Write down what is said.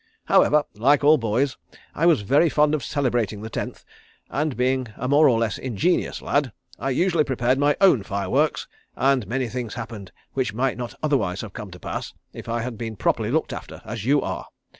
"However, like all boys, I was very fond of celebrating the Tenth, and being a more or less ingenious lad, I usually prepared my own fire works and many things happened which might not otherwise have come to pass if I had been properly looked after as you are.